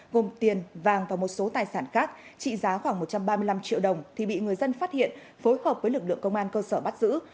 gồm tiền vàng và một số tài sản khác trị giá khoảng một trăm ba mươi năm triệu đồng thì bị người dân phát hiện phối hợp với lực lượng công an cơ sở bắt giữ